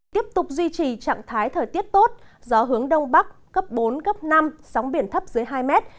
tiếp tục duy trì trạng thái thời tiết tốt gió hướng đông bắc cấp bốn cấp năm sóng biển thấp dưới hai mét